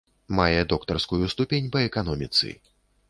Мае доктарскую ступень па эканоміцы.